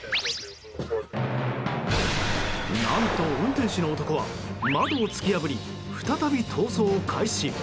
何と運転手の男は窓を突き破り再び逃走を開始。